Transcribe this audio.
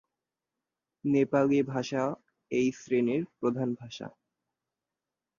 নেপালি ভাষা এই শ্রেণীর প্রধান ভাষা।